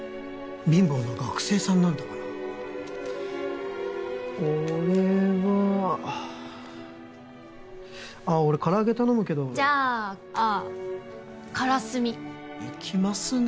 貧乏な学生さんなんだから俺はあっ俺唐揚げ頼むけどじゃあカラスミいきますね